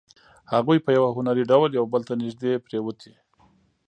هغوی په یو هنري ډول یو بل ته نږدې پرېوتې